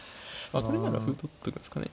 これなら歩取るんですかね。